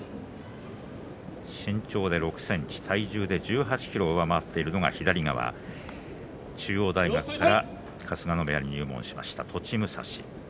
身長で６ｃｍ、体重で１８ｋｇ上回っているのが中央大学から春日野部屋に入門した栃武蔵です。